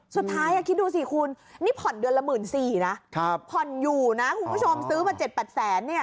สุดท้ายคิดดูสิคุณนี่ผ่อนเดือนละหมื่นสี่นะครับผ่อนอยู่นะคุณผู้ชมซื้อมาเจ็ดแปดแสนเนี่ย